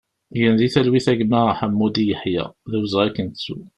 Gen di talwit a gma Ḥamudi Yeḥya, d awezɣi ad k-nettu!